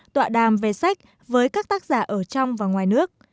tọa đàm về sách với các tác giả ở trong và ngoài nước